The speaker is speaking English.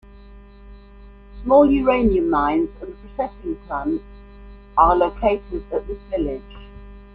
Small uranium mines and a processing plant are located at this village.